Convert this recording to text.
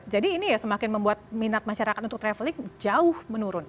jadi ini ya semakin membuat minat masyarakat untuk traveling jauh menurun